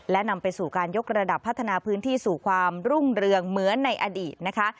และนำไปสู่การยกระดับพัฒนาพื้นที่สู่ความรุ่งเรืองเหมือนในอดีตนะคะ